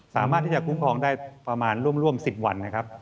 สามารถที่จะคุ้มครองได้ประมาณร่วม๑๐วันนะครับ